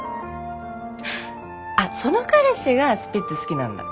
あっその彼氏がスピッツ好きなんだ。